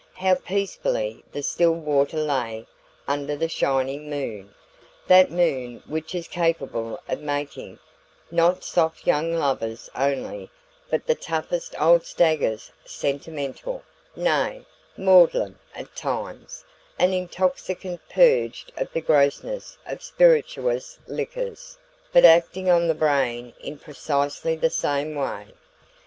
How peacefully the still water lay under the shining moon that moon which is capable of making, not soft young lovers only, but the toughest old stagers sentimental nay, maudlin at times; an intoxicant purged of the grossness of spirituous liquors, but acting on the brain in precisely the same way.